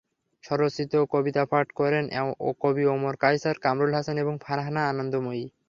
স্বরচিত কবিতাপাঠ করেন কবি ওমর কায়সার, কামরুল হাসান এবং ফারহানা আনন্দময়ী।